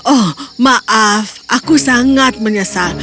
oh maaf aku sangat menyesal